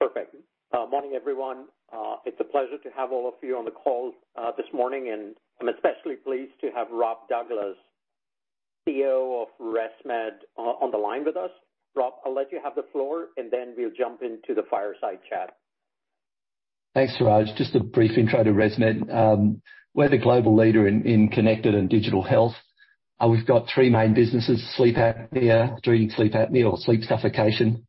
Perfect. Morning, everyone. It's a pleasure to have all of you on the call this morning. I'm especially pleased to have Rob Douglas, COO of ResMed, on the line with us. Rob, I'll let you have the floor. We'll jump into the fireside chat. Thanks, Suraj. Just a brief intro to ResMed. We're the global leader in connected and digital health. We've got three main businesses: sleep apnea, treating sleep apnea or sleep suffocation,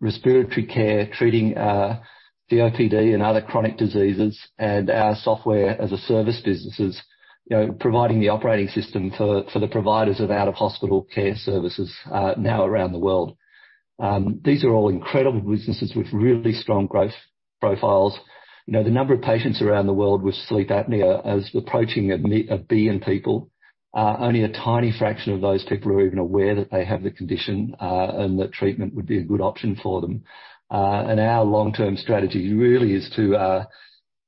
respiratory care, treating COPD and other chronic diseases. Our software-as-a-service businesses, you know, providing the operating system for the providers of out-of-hospital care services, now around the world. These are all incredible businesses with really strong growth profiles. You know, the number of patients around the world with sleep apnea is approaching 1 billion people. Only a tiny fraction of those people are even aware that they have the condition, and that treatment would be a good option for them. Our long-term strategy really is to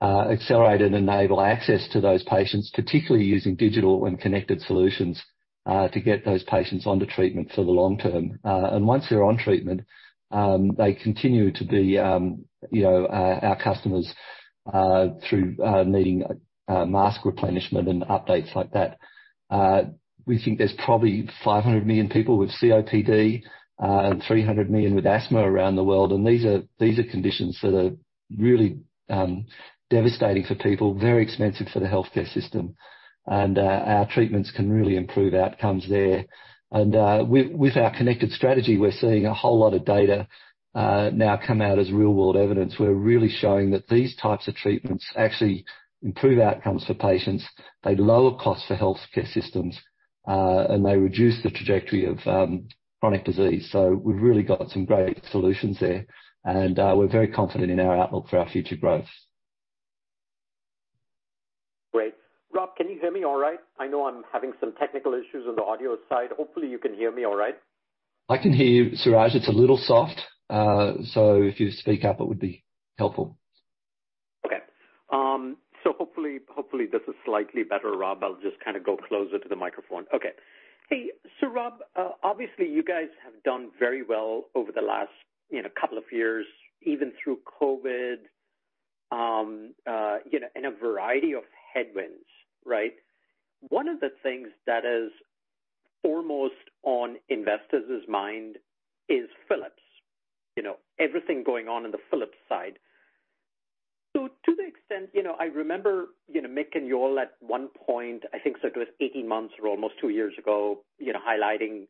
accelerate and enable access to those patients, particularly using digital and connected solutions, to get those patients onto treatment for the long term. Once they're on treatment, they continue to be, you know, our customers, through needing mask replenishment and updates like that. We think there's probably 500 million people with COPD, and 300 million with asthma around the world. These are, these are conditions that are really devastating for people, very expensive for the healthcare system. Our treatments can really improve outcomes there. With, with our connected strategy, we're seeing a whole lot of data now come out as real-world evidence. We're really showing that these types of treatments actually improve outcomes for patients, they lower costs for healthcare systems, and they reduce the trajectory of chronic disease. We've really got some great solutions there. We're very confident in our outlook for our future growth. Great. Rob, can you hear me all right? I know I'm having some technical issues on the audio side. Hopefully, you can hear me all right. I can hear you, Suraj. It's a little soft. If you speak up, it would be helpful. Hopefully, hopefully this is slightly better, Rob. I'll just kinda go closer to the microphone. Hey, Rob, obviously you guys have done very well over the last, you know, couple of years, even through COVID, you know, and a variety of headwinds, right? One of the things that is foremost on investors' mind is Philips. You know, everything going on in the Philips side. To the extent, you know, I remember, you know, Mick and y'all at one point, I think, it was 18 months or almost two years ago, you know, highlighting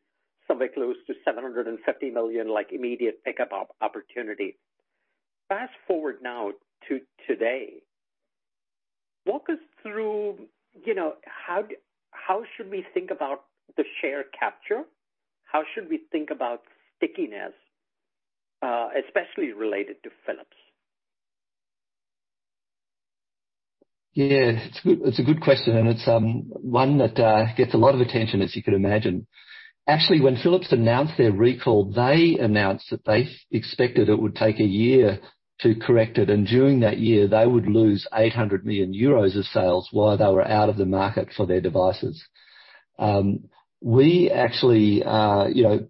somewhere close to $750 million, like, immediate pickup op-opportunity. Fast-forward now to today. Walk us through, you know, how should we think about the share capture? How should we think about stickiness, especially related to Philips? Yeah. It's a good, it's a good question, and it's one that gets a lot of attention, as you can imagine. When Philips announced their recall, they announced that they expected it would take a year to correct it, and during that year, they would lose 800 million euros of sales while they were out of the market for their devices. We actually, you know,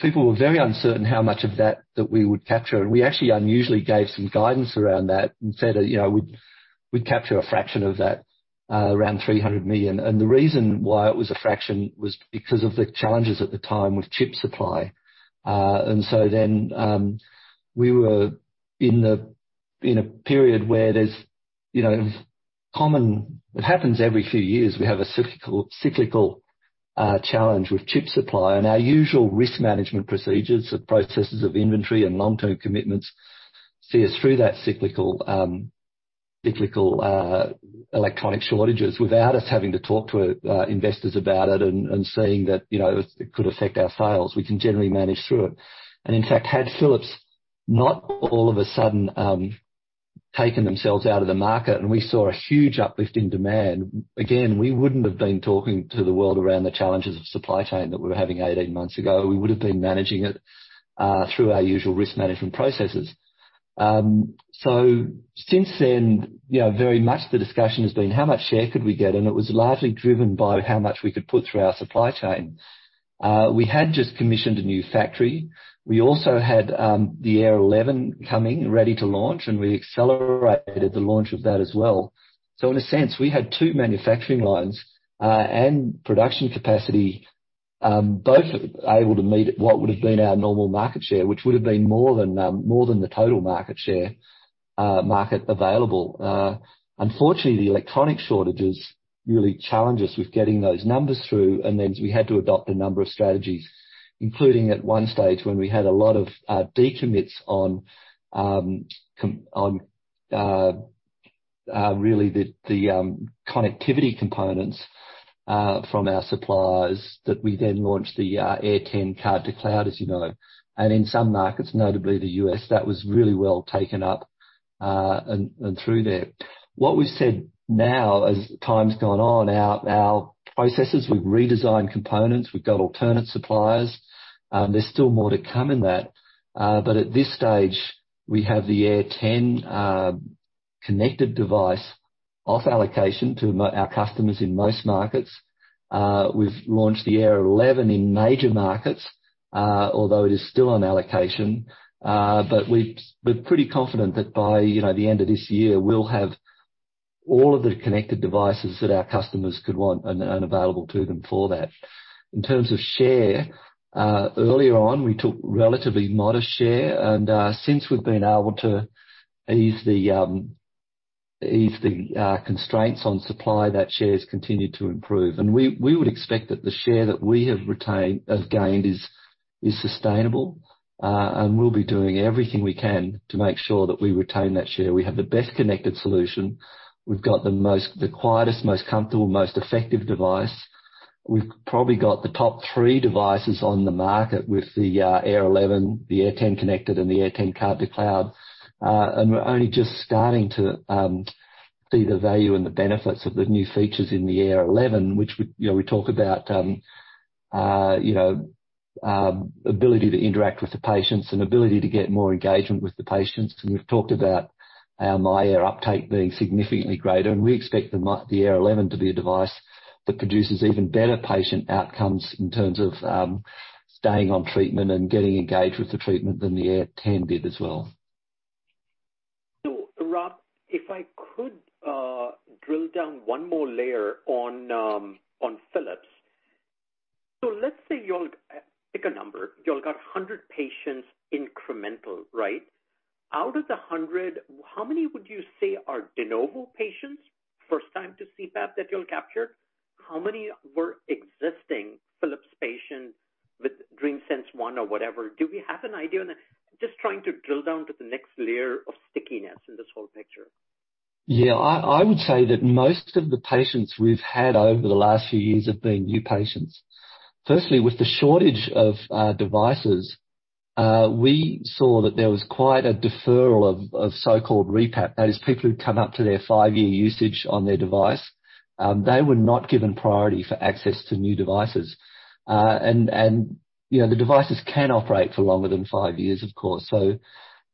people were very uncertain how much of that we would capture. We actually unusually gave some guidance around that and said, you know, we'd capture a fraction of that, around $300 million. The reason why it was a fraction was because of the challenges at the time with chip supply. We were in a period where there's, you know, it happens every few years. We have a cyclical challenge with chip supply. Our usual risk management procedures, the processes of inventory and long-term commitments, see us through that cyclical electronic shortages without us having to talk to investors about it and saying that, you know, it could affect our sales. We can generally manage through it. In fact, had Philips not all of a sudden taken themselves out of the market and we saw a huge uplift in demand, again, we wouldn't have been talking to the world around the challenges of supply chain that we were having 18 months ago. We would've been managing it through our usual risk management processes. Since then, you know, very much the discussion has been how much share could we get, and it was largely driven by how much we could put through our supply chain. We had just commissioned a new factory. We also had the AirSense 11 coming ready to launch, and we accelerated the launch of that as well. In a sense, we had two manufacturing lines, and production capacity, both able to meet what would've been our normal market share, which would've been more than, more than the total market share, market available. Unfortunately, the electronic shortages really challenged us with getting those numbers through, we had to adopt a number of strategies, including at one stage, when we had a lot of decommits on really the connectivity components from our suppliers, that we then launched the Air10 Card-to-Cloud, as you know. In some markets, notably the U.S., that was really well taken up and through there. What we've said now, as time's gone on, our processes, we've redesigned components, we've got alternate suppliers. There's still more to come in that. At this stage, we have the Air10 Connected device off allocation to our customers in most markets. We've launched the Air 11 in major markets, although it is still on allocation. But we're pretty confident that by, you know, the end of this year, we'll have all of the connected devices that our customers could want and available to them for that. In terms of share, earlier on, we took relatively modest share. Since we've been able to ease the constraints on supply, that share has continued to improve. We would expect that the share that we have gained is sustainable, and we'll be doing everything we can to make sure that we retain that share. We have the best connected solution. We've got the quietest, most comfortable, most effective device. We've probably got the top three devices on the market with the Air 11, the Air 10 Connected, and the Air 10 Card-to-Cloud. We're only just starting to see the value and the benefits of the new features in the Air 11, which you know, we talk about, you know, ability to interact with the patients and ability to get more engagement with the patients. We've talked about our myAir uptake being significantly greater, and we expect the Air 11 to be a device that produces even better patient outcomes in terms of staying on treatment and getting engaged with the treatment than the Air 10 did as well. Rob, if I could drill down one more layer on Philips. Let's say you all pick a number. You all got 100 patients incremental, right? Out of the 100, how many would you say are de novo patients, first time to CPAP, that you'll capture? How many were existing Philips patients with DreamSense One or whatever? Do we have an idea on that? Just trying to drill down to the next layer of stickiness in this whole picture. Yeah. I would say that most of the patients we've had over the last few years have been new patients. Firstly, with the shortage of devices, we saw that there was quite a deferral of so-called repat. That is people who'd come up to their five-year usage on their device. They were not given priority for access to new devices. You know, the devices can operate for longer than five years, of course.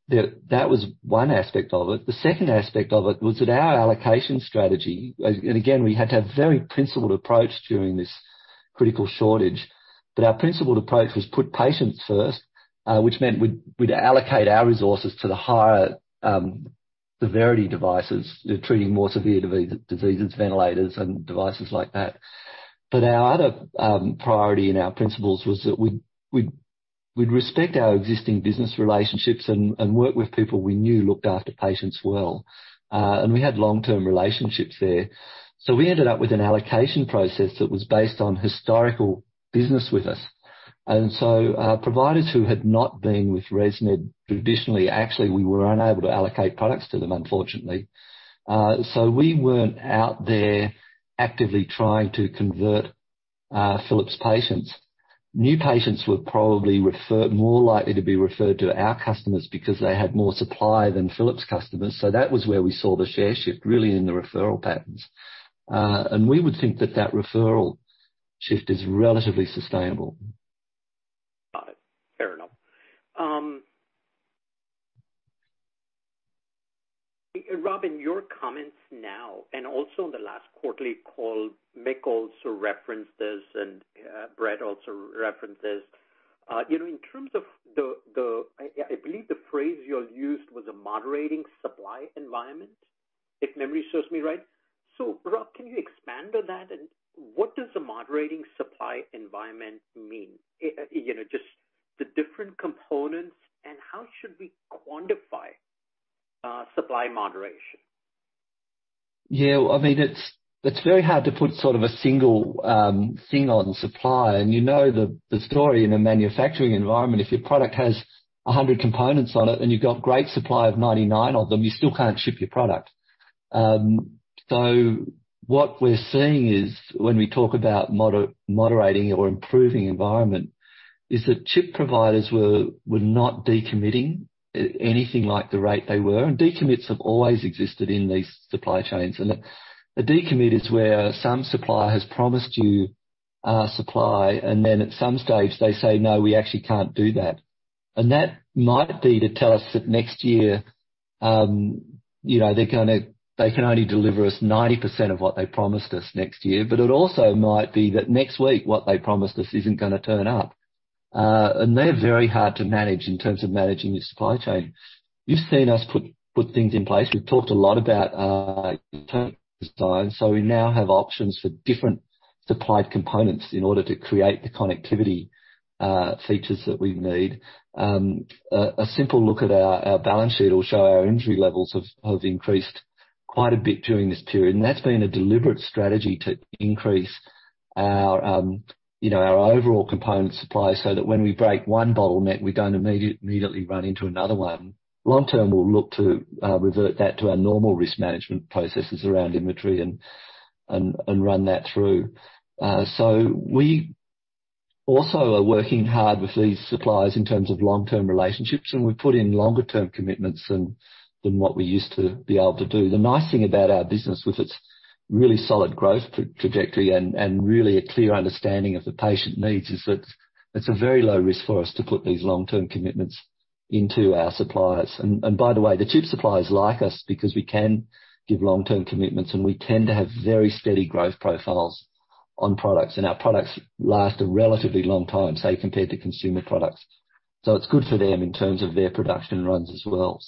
That was one aspect of it. The second aspect of it was that our allocation strategy, and again, we had to have very principled approach during this critical shortage. Our principled approach was put patients first, which meant we'd allocate our resources to the higher severity devices treating more severe diseases, ventilators and devices like that. Our other priority in our principles was that we'd respect our existing business relationships and work with people we knew looked after patients well. We had long-term relationships there. We ended up with an allocation process that was based on historical business with us. Providers who had not been with ResMed traditionally, actually, we were unable to allocate products to them, unfortunately. We weren't out there actively trying to convert Philips patients. New patients were probably more likely to be referred to our customers because they had more supply than Philips customers. That was where we saw the share shift, really, in the referral patterns. We would think that that referral shift is relatively sustainable. Got it. Fair enough. Rob, in your comments now and also in the last quarterly call, Mick also referenced this, and Brett also referenced this. You know, in terms of the... I believe the phrase you all used was a moderating supply environment, if memory serves me right. Rob, can you expand on that? What does a moderating supply environment mean? You know, just the different components and how should we quantify, supply moderation? Yeah. I mean, it's very hard to put sort of a single thing on supply. You know the story in a manufacturing environment, if your product has 100 components on it and you've got great supply of 99 of them, you still can't ship your product. What we're seeing is when we talk about moderating or improving environment is that chip providers were not decommitting anything like the rate they were. Decommits have always existed in these supply chains. A decommit is where some supplier has promised you supply, and then at some stage they say, "No, we actually can't do that." That might be to tell us that next year, you know, they can only deliver us 90% of what they promised us next year. It also might be that next week, what they promised us isn't gonna turn up. They're very hard to manage in terms of managing your supply chain. You've seen us put things in place. We've talked a lot about design. We now have options for different supplied components in order to create the connectivity features that we need. A simple look at our balance sheet will show our entry levels have increased quite a bit during this period. That's been a deliberate strategy to increase our, you know, our overall component supply, so that when we break one bottleneck, we don't immediately run into another one. Long term, we'll look to revert that to our normal risk management processes around inventory and run that through. We also are working hard with these suppliers in terms of long-term relationships, and we've put in longer-term commitments than what we used to be able to do. The nice thing about our business with its really solid growth trajectory and really a clear understanding of the patient needs is that it's a very low risk for us to put these long-term commitments into our suppliers. By the way, the chip suppliers like us because we can give long-term commitments, and we tend to have very steady growth profiles on products, and our products last a relatively long time, say, compared to consumer products. It's good for them in terms of their production runs as well.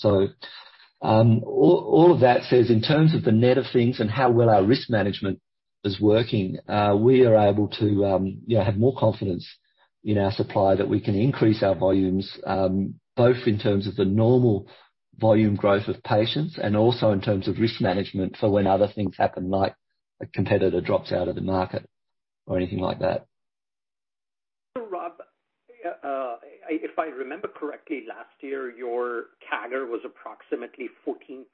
All of that says in terms of the net of things and how well our risk management is working, yeah, have more confidence in our supply that we can increase our volumes, both in terms of the normal volume growth of patients and also in terms of risk management for when other things happen, like a competitor drops out of the market or anything like that. Rob, if I remember correctly, last year your CAGR was approximately 14%.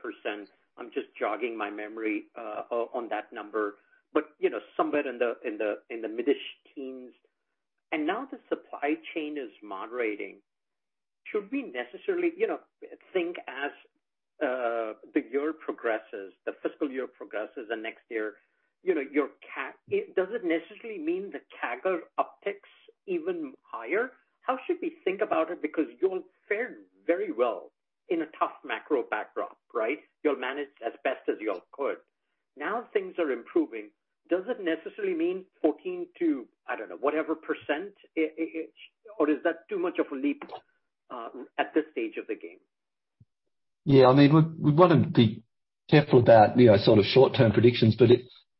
I'm just jogging my memory on that number. You know, somewhere in the mid-teens. Now the supply chain is moderating. Should we necessarily, you know, think as the year progresses, the fiscal year progresses and next year, you know, does it necessarily mean the CAGR upticks even higher? How should we think about it? Because you all fared very well in a tough macro backdrop, right? You managed as best as you all could. Now things are improving. Does it necessarily mean 14% to, I don't know, whatever percent? Or is that too much of a leap at this stage of the game? Yeah. I mean, we wanna be careful about, you know, sort of short-term predictions, but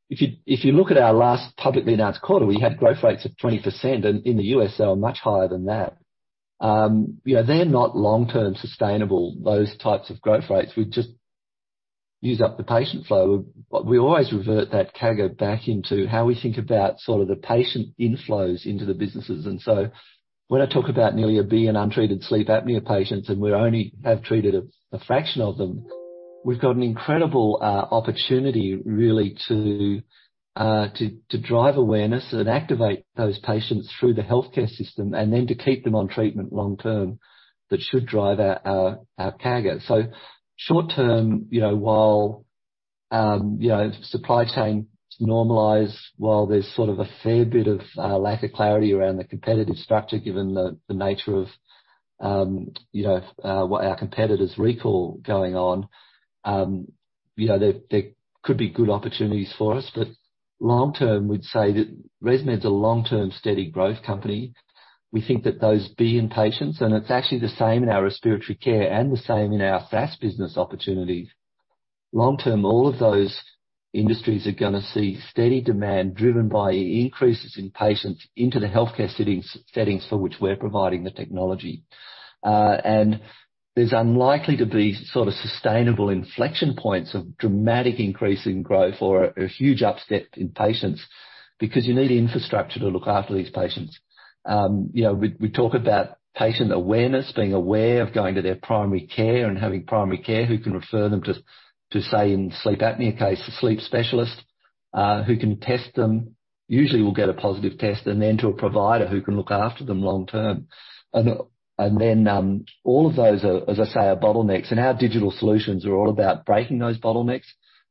if you look at our last publicly announced quarter, we had growth rates of 20%, and in the U.S., they were much higher than that. You know, they're not long-term sustainable, those types of growth rates. We just use up the patient flow. We always revert that CAGR back into how we think about sort of the patient inflows into the businesses. When I talk about nearly 1 billion untreated sleep apnea patients, and we only have treated a fraction of them, we've got an incredible opportunity really to drive awareness and activate those patients through the healthcare system, and then to keep them on treatment long term. That should drive our CAGR. Short term, you know, while, you know, supply chain normalize, while there's sort of a fair bit of lack of clarity around the competitive structure, given the nature of, you know, what our competitors recall going on, you know, there could be good opportunities for us. Long term, we'd say that ResMed's a long-term, steady growth company. We think that those billion patients, and it's actually the same in our respiratory care and the same in our SaaS business opportunities. Long term, all of those industries are gonna see steady demand driven by increases in patients into the healthcare settings for which we're providing the technology. There's unlikely to be sort of sustainable inflection points of dramatic increase in growth or a huge upstep in patients because you need infrastructure to look after these patients. You know, we talk about patient awareness, being aware of going to their primary care and having primary care who can refer them to say, in sleep apnea case, a sleep specialist, who can test them. Usually will get a positive test, and then to a provider who can look after them long term. Then, all of those are, as I say, are bottlenecks, and our digital solutions are all about breaking those bottlenecks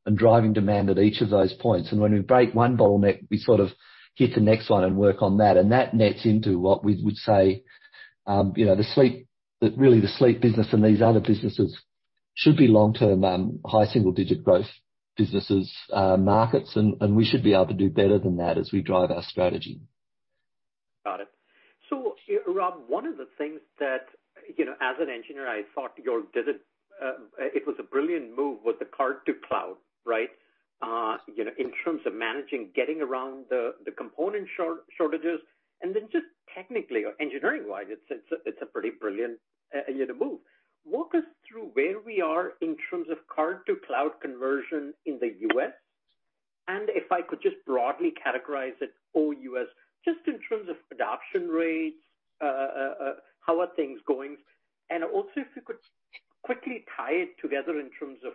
and driving demand at each of those points. When we break one bottleneck, we sort of hit the next one and work on that. That nets into what we would say, you know, the sleep... That really the sleep business and these other businesses should be long-term, high single-digit growth businesses, markets, and we should be able to do better than that as we drive our strategy. Got it. Rob, one of the things that, you know, as an engineer, I thought your visit, it was a brilliant move with the Card-to-Cloud, right? You know, in terms of managing, getting around the component shortages, and then just technically or engineering-wise, it's a, it's a pretty brilliant, you know, move. Walk us through where we are in terms of Card-to-Cloud conversion in the U.S., if I could just broadly categorize it, all U.S., just in terms of adoption rates, how are things going? Also if you could quickly tie it together in terms of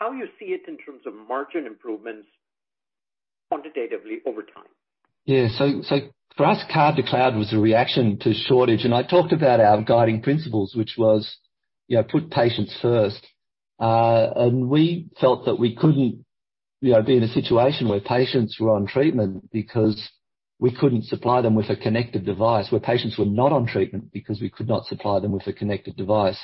how you see it in terms of margin improvements quantitatively over time? Yeah. For us, Card-to-Cloud was a reaction to shortage. I talked about our guiding principles, which was, you know, put patients first. We felt that we couldn't, you know, be in a situation where patients were on treatment because we couldn't supply them with a connected device, where patients were not on treatment because we could not supply them with a connected device.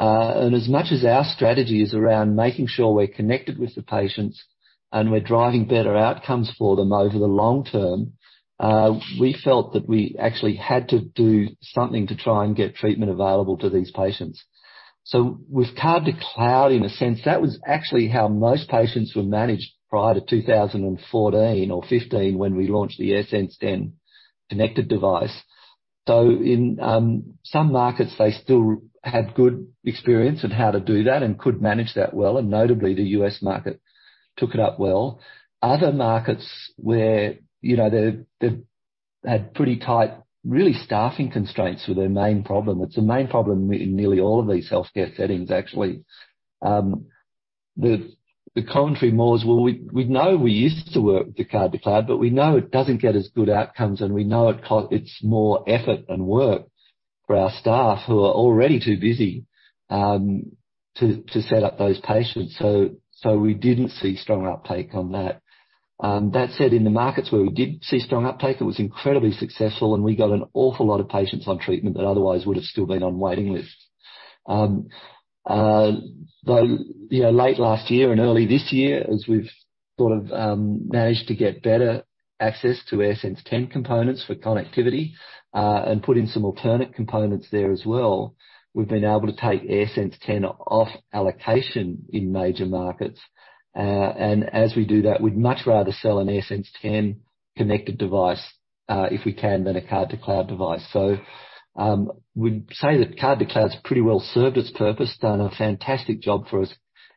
As much as our strategy is around making sure we're connected with the patients and we're driving better outcomes for them over the long term, we felt that we actually had to do something to try and get treatment available to these patients. With Card-to-Cloud, in a sense, that was actually how most patients were managed prior to 2014 or 2015 when we launched the AirSense 10 connected device. In some markets, they still had good experience on how to do that and could manage that well, and notably, the U.S. market took it up well. Other markets where, you know, they've had pretty tight, really staffing constraints were their main problem. It's a main problem in nearly all of these healthcare settings actually. The contrary more is, well, we know we used to work with the card-to-cloud, but we know it doesn't get as good outcomes, and we know it's more effort and work. For our staff who are already too busy, to set up those patients. We didn't see strong uptake on that. That said, in the markets where we did see strong uptake, it was incredibly successful, and we got an awful lot of patients on treatment that otherwise would have still been on waiting lists. Though, you know, late last year and early this year, as we've sort of managed to get better access to AirSense 10 components for connectivity, and put in some alternate components there as well, we've been able to take AirSense 10 off allocation in major markets. As we do that, we'd much rather sell an AirSense 10 connected device, if we can, than a Card-to-Cloud device. We'd say that Card-to-Cloud's pretty well served its purpose, done a fantastic job for us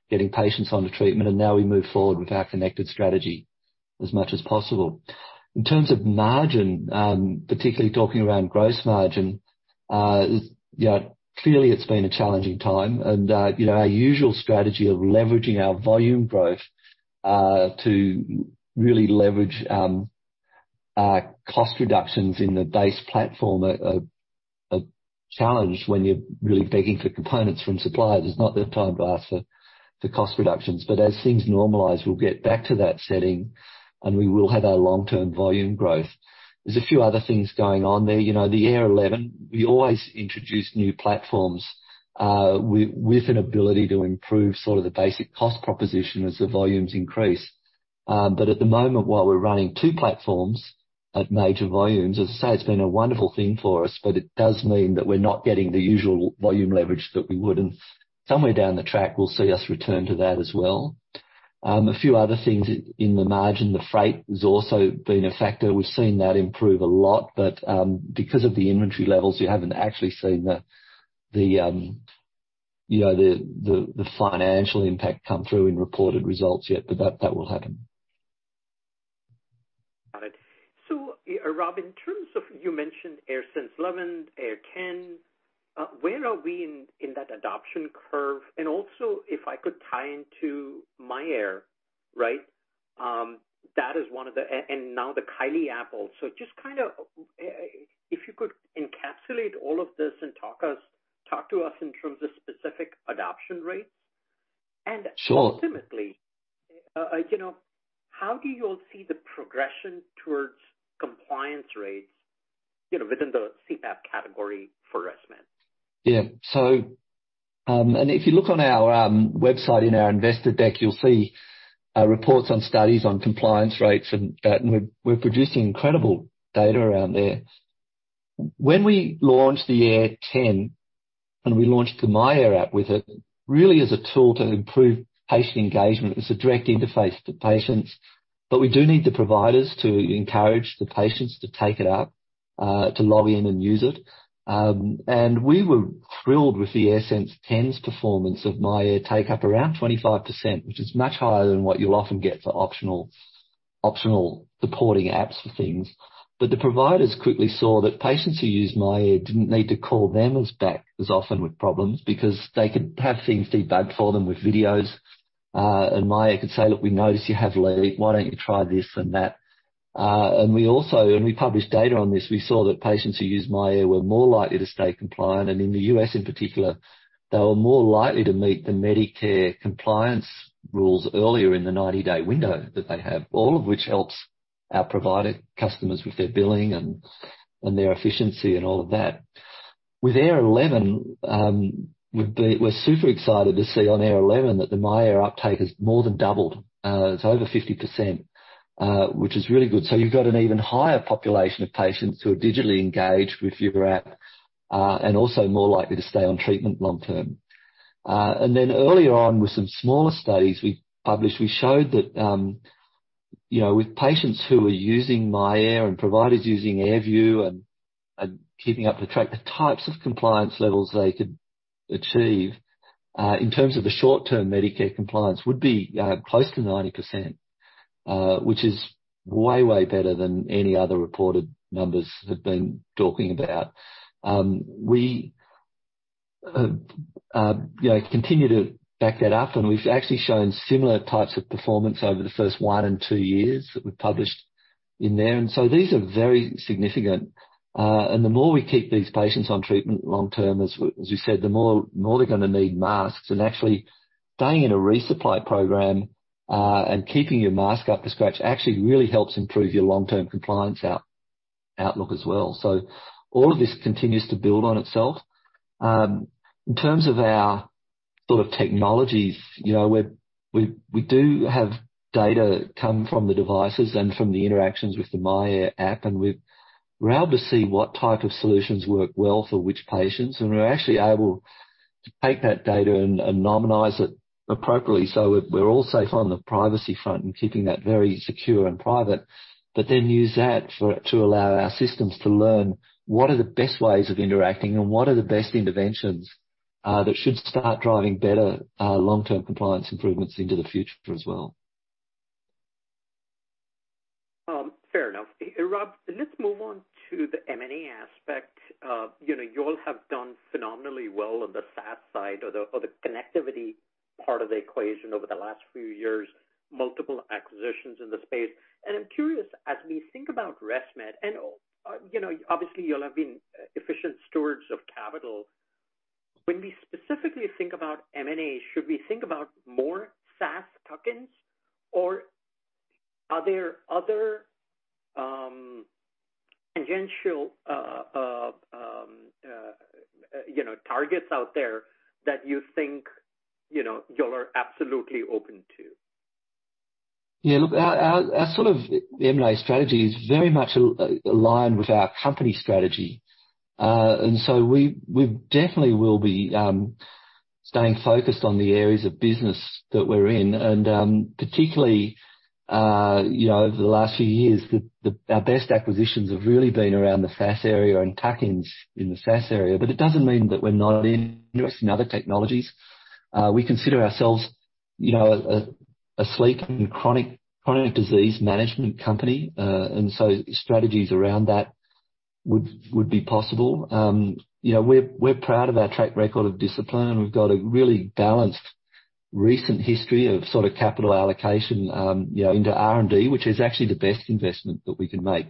getting patients onto treatment, and now we move forward with our connected strategy as much as possible. In terms of margin, particularly talking around gross margin, you know, clearly it's been a challenging time. You know, our usual strategy of leveraging our volume growth to really leverage cost reductions in the base platform are challenged when you're really begging for components from suppliers. It's not the time to ask for cost reductions. As things normalize, we'll get back to that setting, and we will have our long-term volume growth. There's a few other things going on there. You know, the Air 11, we always introduce new platforms with an ability to improve sort of the basic cost proposition as the volumes increase. At the moment, while we're running two platforms at major volumes, as I say, it's been a wonderful thing for us, but it does mean that we're not getting the usual volume leverage that we would. Somewhere down the track, we'll see us return to that as well. A few other things in the margin, the freight has also been a factor. We've seen that improve a lot, but because of the inventory levels, you haven't actually seen the, you know, the financial impact come through in reported results yet. That will happen. Got it. Rob, You mentioned AirSense 11, Air 10. Where are we in that adoption curve? And also, if I could tie into myAir, right? That is now the myAir app. Just kind of, if you could encapsulate all of this and talk to us in terms of specific adoption rates. Sure. Ultimately, you know, how do you all see the progression towards compliance rates, you know, within the CPAP category for ResMed? If you look on our website in our investor deck, you'll see reports on studies on compliance rates, and we're producing incredible data around there. When we launched the AirSense 10, and we launched the myAir app with it, really as a tool to improve patient engagement. It's a direct interface to patients, but we do need the providers to encourage the patients to take it up, to log in and use it. We were thrilled with the AirSense 10's performance of myAir take up around 25%, which is much higher than what you'll often get for optional supporting apps for things. The providers quickly saw that patients who used myAir didn't need to call them back as often with problems because they could have things debugged for them with videos. myAir could say, "Look, we notice you have a leak. Why don't you try this and that?" We also, and we published data on this, we saw that patients who used myAir were more likely to stay compliant. In the U.S., in particular, they were more likely to meet the Medicare compliance rules earlier in the 90-day window that they have, all of which helps our provider customers with their billing and their efficiency and all of that. With Air 11, we're super excited to see on Air 11 that the myAir uptake has more than doubled. It's over 50%, which is really good. You've got an even higher population of patients who are digitally engaged with your app, and also more likely to stay on treatment long term. Earlier on, with some smaller studies we published, we showed that, you know, with patients who are using myAir and providers using AirView and keeping up with the track, the types of compliance levels they could achieve, in terms of the short-term Medicare compliance would be close to 90%, which is way better than any other reported numbers have been talking about. We, you know, continue to back that up, and we've actually shown similar types of performance over the first one and two years that we've published in there. These are very significant. The more we keep these patients on treatment long term, as we said, the more they're gonna need masks. Actually staying in a resupply program, and keeping your mask up to scratch actually really helps improve your long-term compliance out-outlook as well. All of this continues to build on itself. In terms of our sort of technologies, you know, we do have data come from the devices and from the interactions with the myAir app, we're out to see what type of solutions work well for which patients. We're actually able to take that data and anonymize it appropriately, so we're all safe on the privacy front and keeping that very secure and private, then use that to allow our systems to learn what are the best ways of interacting and what are the best interventions that should start driving better long-term compliance improvements into the future as well. Fair enough. Rob, let's move on to the M&A aspect. you know, you all have done phenomenally well on the SaaS side or the, or the connectivity part of the equation over the last few years, multiple acquisitions in the space. I'm curious, as we think about ResMed and, you know, obviously you all have been efficient stewards of capital. When we specifically think about M&A, should we think about more SaaS tuck-ins? Are there other, tangential, you know, targets out there that you think, you know, you all are absolutely open to? Look, our sort of M&A strategy is very much aligned with our company strategy. So we definitely will be staying focused on the areas of business that we're in. Particularly, you know, over the last few years, our best acquisitions have really been around the SaaS area and tuck-ins in the SaaS area. It doesn't mean that we're not interested in other technologies. We consider ourselves, you know, a sleep and chronic disease management company. So strategies around that would be possible. You know, we're proud of our track record of discipline, and we've got a really balanced recent history of sort of capital allocation, you know, into R&D, which is actually the best investment that we can make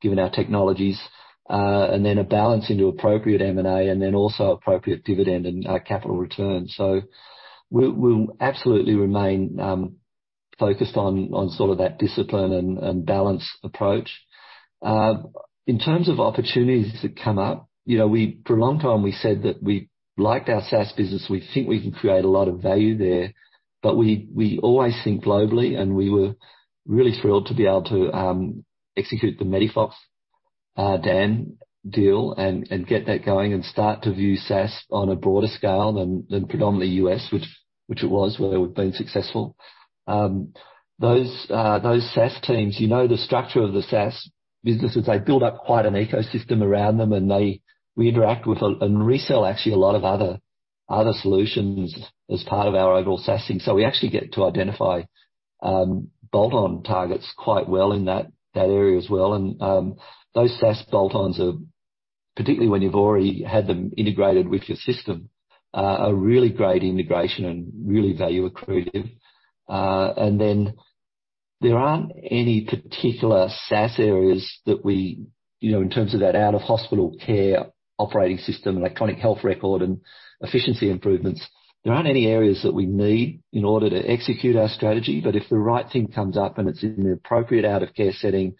given our technologies. A balance into appropriate M&A, and then also appropriate dividend and capital return. We'll absolutely remain focused on sort of that discipline and balance approach. In terms of opportunities that come up, you know, for a long time we said that we liked our SaaS business. We think we can create a lot of value there. We always think globally, and we were really thrilled to be able to execute the MEDIFOX DAN deal and get that going and start to view SaaS on a broader scale than predominantly U.S., which it was, where we've been successful. Those SaaS teams, you know the structure of the SaaS businesses. They build up quite an ecosystem around them. We interact with and resell actually a lot of other solutions as part of our overall SaaS thing. We actually get to identify bolt-on targets quite well in that area as well. Those SaaS bolt-ons are, particularly when you've already had them integrated with your system, are really great integration and really value accretive. There aren't any particular SaaS areas that we, you know, in terms of that out-of-hospital care operating system and electronic health record and efficiency improvements, there aren't any areas that we need in order to execute our strategy. If the right thing comes up and it's in the appropriate out-of-care setting,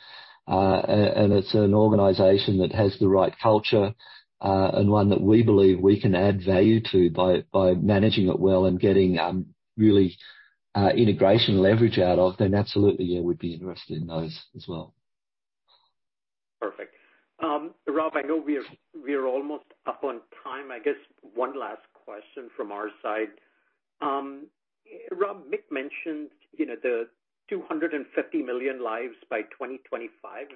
and it's an organization that has the right culture, and one that we believe we can add value to by managing it well and getting, really, integration leverage out of, then absolutely, yeah, we'd be interested in those as well. Perfect. Rob, I know we are almost up on time. I guess one last question from our side. Rob, Mick mentioned, you know, the 250 million lives by 2025,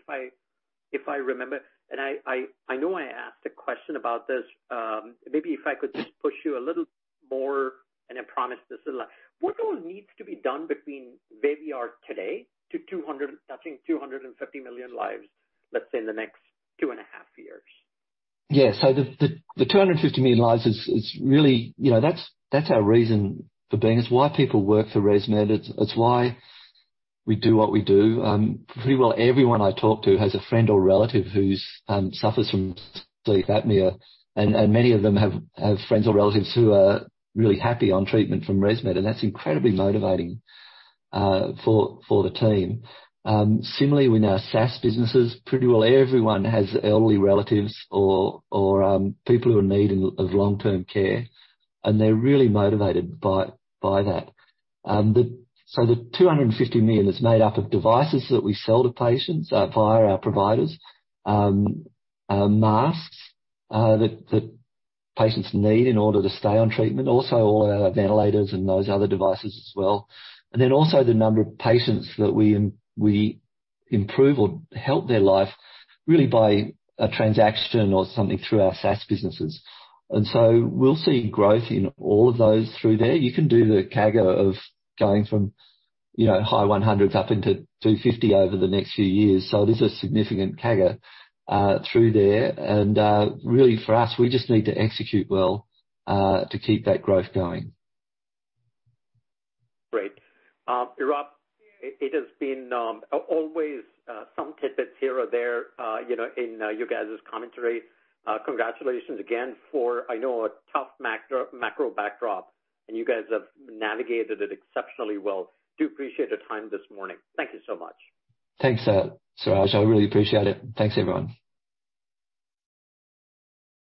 if I remember, and I know I asked a question about this, maybe if I could just push you a little more, and I promise this is the last. What all needs to be done between where we are today to touching 250 million lives, let's say in the next two and a half years? Yeah. The, the 250 million lives is really, you know. That's, that's our reason for being. It's why people work for ResMed. It's, it's why we do what we do. Pretty well everyone I talk to has a friend or relative who's suffers from sleep apnea, and many of them have friends or relatives who are really happy on treatment from ResMed, and that's incredibly motivating for the team. Similarly with our SaaS businesses, pretty well everyone has elderly relatives or people who are in need of long-term care, and they're really motivated by that. The 250 million is made up of devices that we sell to patients via our providers. masks that patients need in order to stay on treatment, also all our ventilators and those other devices as well. Also the number of patients that we improve or help their life really by a transaction or something through our SaaS businesses. We'll see growth in all of those through there. You can do the CAGR of going from, you know, high 100 up into 250 over the next few years. There's a significant CAGR through there. Really for us, we just need to execute well to keep that growth going. Great. Rob, it has been always, some tidbits here or there, you know, in, you guys' commentary. Congratulations again for, I know, a tough macro backdrop, and you guys have navigated it exceptionally well. Do appreciate the time this morning. Thank you so much. Thanks, Suraj. I really appreciate it. Thanks, everyone.